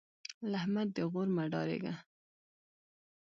له احمد د غور مه ډارېږه.